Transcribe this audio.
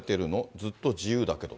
ずっと自由だけど。